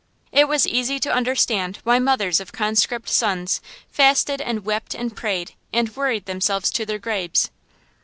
It was easy to understand why mothers of conscript sons fasted and wept and prayed and worried themselves to their graves.